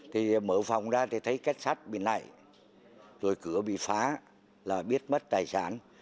thì mở phòng ra thì thấy kết sắt bị lậy rồi cửa bị phá là biết mất tài sản